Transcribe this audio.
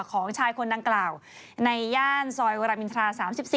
ของชายคนดังกล่าวในย่านซอยวรามอินทรา๓๔